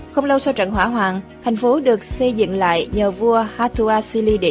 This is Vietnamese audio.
không lâu sau trận hỏa hoạn thành phố được xây dựng lại nhờ vua hattuasili i